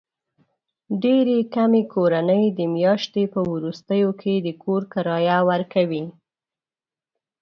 ډېرې کمې کورنۍ د میاشتې په وروستیو کې د کور کرایه ورکوي.